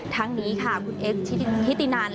ทั้งนี้ค่ะคุณเอ็กซ์ทิตินัน